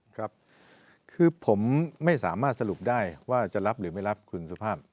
ครับคือผมไม่สามารถสรุปได้ว่าจะรับหรือไม่รับคุณสุภาพ